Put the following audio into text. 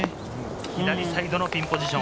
左サイドのピンポジション。